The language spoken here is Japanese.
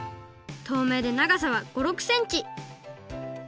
とうめいでながさは５６センチ